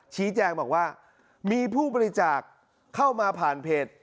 ชี้แจงบอกว่ามีผู้บริจาคเข้ามาผ่านเพจ